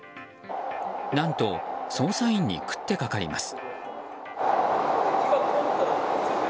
何と、捜査員に食って掛かります。